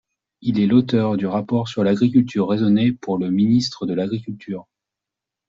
Il est l’auteur du rapport sur l’agriculture raisonnée pour le ministre de l’Agriculture.